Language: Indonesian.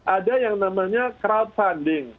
ada yang namanya crowdfunding